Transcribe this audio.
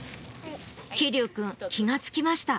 騎琉くん気が付きました